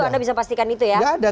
anda bisa pastikan itu ya